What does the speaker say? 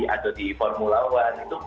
atau di formula one